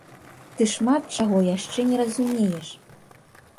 Ты шмат чаго яшчэ не разумееш!